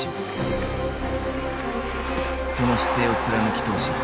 その姿勢を貫き通し